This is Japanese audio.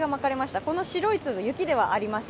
この白い粒は雪ではありません。